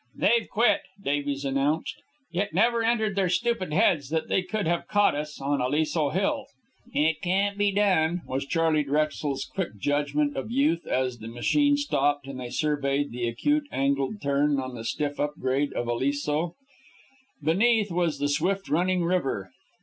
"They've quit," Davies announced. "It never entered their stupid heads that they could have caught us on Aliso Hill." "It can't be done," was Charley Drexel's quick judgment of youth, as the machine stopped and they surveyed the acute angled turn on the stiff up grade of Aliso. Beneath was the swift running river.